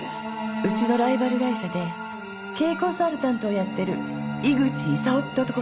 うちのライバル会社で経営コンサルタントをやってる井口勲って男がいるの。